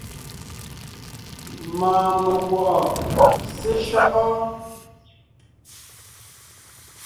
Mɔɔn mekwɔ̀’ɔ seshÿɔ́’ɔ?